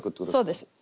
そうです。